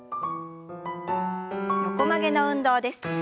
横曲げの運動です。